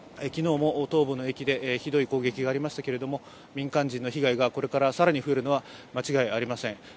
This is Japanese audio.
昨日も東部の駅でひどい攻撃がありましたけれども、民間人の被害がこれから更に増えるのは間違いありません。